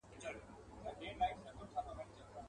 نه په پلونو نه په ږغ د چا پوهېږم.